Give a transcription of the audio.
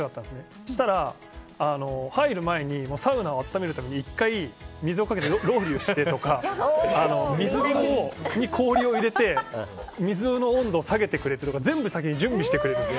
そうしたら、入る前にサウナを温めるために１回入ってロウリュをしてとか水風呂に氷を入れて水の温度を下げてくれたり全部準備してくれるんです。